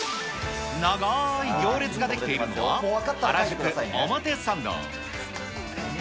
長い行列が出来ているのは、原宿・表参道。